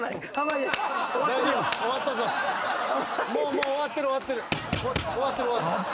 もう終わってる終わってる。